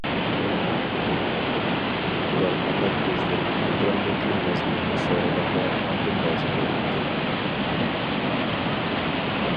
ئۇلار پەقەت بىزدىن ئېكراندىكى مەزمۇننى سورىغاندا ئاندىن لازىم بولىدىكەن.